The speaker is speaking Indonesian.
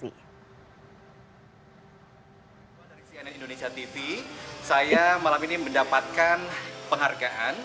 ketua dari cnn indonesia tv saya malam ini mendapatkan penghargaan